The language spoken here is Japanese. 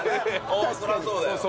そりゃそうだよ。